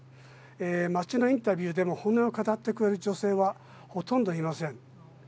街のインタビューでも本音を語ってくれる女性はほとんどいません。